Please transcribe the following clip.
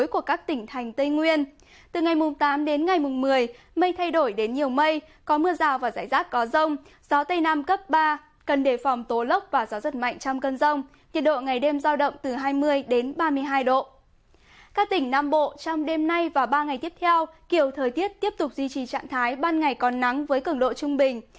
các tỉnh nam bộ trong đêm nay và ba ngày tiếp theo kiểu thời tiết tiếp tục duy trì trạng thái ban ngày còn nắng với cứng độ trung bình